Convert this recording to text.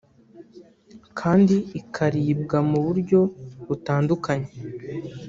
kandi ikaribwa mu buryo butandukanye